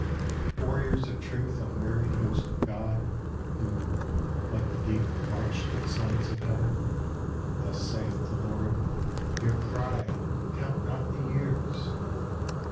Warriors of truth, unwearied host of God, Who, like the deep, march to the signs of heaven, "Thus saith the Lord" your cry, count not the years!